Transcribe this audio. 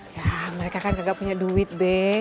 ya mereka kan gak punya duit be